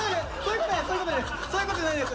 そういうことじゃないです。